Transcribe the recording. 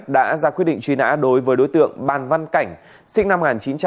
đã ra quyết định truy nã đối với đối tượng ban văn cảnh sinh năm một nghìn chín trăm tám mươi